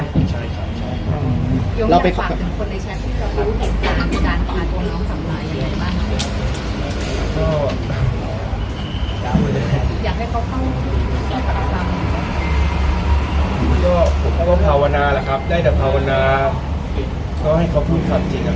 อยากให้เขาภาวนะนะครับได้แต่ภาวนะก็ให้เขาพูดคลาภจริงแล้วกัน